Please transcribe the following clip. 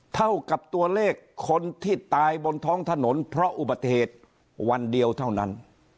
เท่ากับตัวเลขคนที่ตายบนท้องถนนเพราะอุบัติเหตุวันเดียวเท่านั้น